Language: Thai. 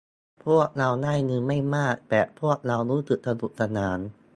พวกเราได้เงินไม่มากแต่พวกเรารู้สึกสนุกสนาน